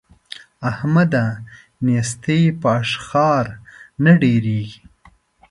احمده! نېستي په اشخار نه ډېرېږي.